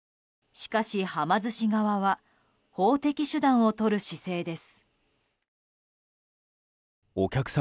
しかし、はま寿司側は法的手段をとる姿勢です。